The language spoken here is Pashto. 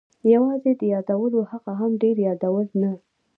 یوازې د یادولو، هغه هم ډېر یادول نه.